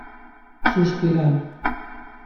Sospirà.